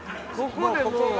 ここでもう。